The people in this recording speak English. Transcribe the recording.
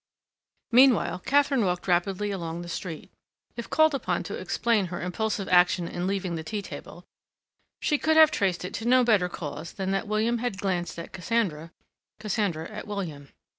Meanwhile Katharine walked rapidly along the street. If called upon to explain her impulsive action in leaving the tea table, she could have traced it to no better cause than that William had glanced at Cassandra; Cassandra at William.